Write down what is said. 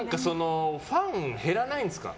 ファン減らないんですか。